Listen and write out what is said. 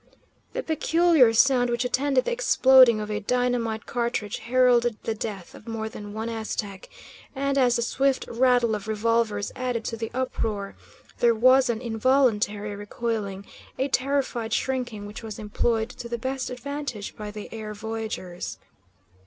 The peculiar sound which attended the exploding of a dynamite cartridge heralded the death of more than one Aztec, and, as the swift rattle of revolvers added to the uproar, there was an involuntary recoiling, a terrified shrinking, which was employed to the best advantage by the air voyagers.